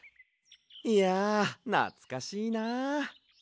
いやなつかしいな。